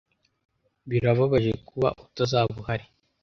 birababaje kuba utazaba uhari